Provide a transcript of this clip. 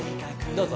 どうぞ。